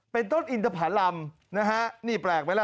เป็นต้นอินทภารำนะฮะนี่แปลกไหมล่ะ